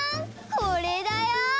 これだよ！